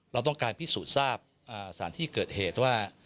เราต้องการพิสูจน์ทราบสารที่เกิดเหตุว่า